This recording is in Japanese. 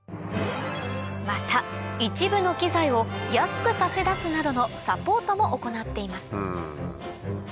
また一部の機材を安く貸し出すなどのサポートも行っています